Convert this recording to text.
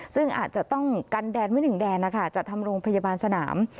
ซึ่งอาจจะต้องกันแดนไว้หนึ่งแดนนะคะจัดทำโรงพยาบาลสนาม